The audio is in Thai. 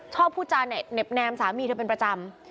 ชอบพูดจานแนบสามีเธอเป็นประจำ